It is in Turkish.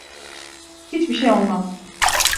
Hiçbir şey olmaz.